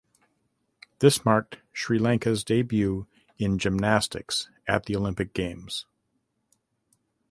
This marked Sri Lanka’s debut in gymnastics at the Olympic Games.